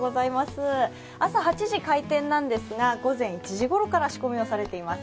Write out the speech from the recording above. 朝８時開店なんですが午前１時ごろから仕込みをされています。